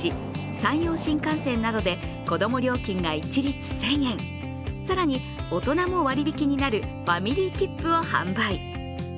山陽新幹線などで子供料金が一律１０００円、更に大人も割り引きになるファミリーきっぷを販売。